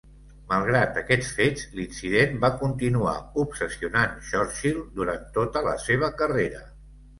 Malgrat aquests fets, l'incident va continuar obsessionant Churchill durant tota la seva carrera.